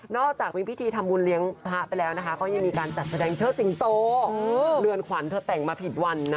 จากมีพิธีทำบุญเลี้ยงพระไปแล้วนะคะก็ยังมีการจัดแสดงเชิดสิงโตเรือนขวัญเธอแต่งมาผิดวันนะ